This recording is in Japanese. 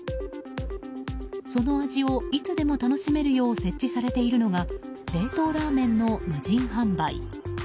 その味をいつでも楽しめるよう設置されているのが冷凍ラーメンの無人販売。